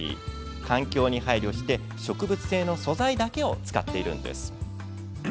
環境に配慮して植物性の素材だけを使っているんです。